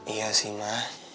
iya sih ma